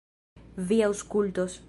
Vi aŭskultos!